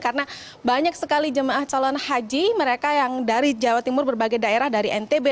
karena banyak sekali jemaah calon haji mereka yang dari jawa timur berbagai daerah dari ntb dan juga dari bali